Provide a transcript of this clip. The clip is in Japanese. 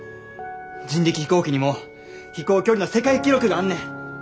人力飛行機にも飛行距離の世界記録があんねん。